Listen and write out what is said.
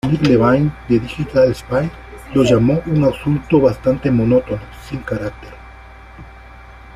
Nick Levine de "Digital Spy" lo llamó" un asunto bastante monótono, sin carácter".